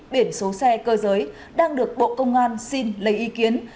biển số xe cơ giới đang được bộ công an xin lấy ý kiến